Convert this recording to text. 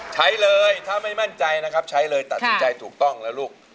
ใช้เลยถ้าไม่มั่นใจนะครับใช้เลยตัดสินใจถูกต้องแล้วลูก